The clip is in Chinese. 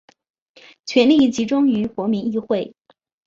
权力集中于国民议会。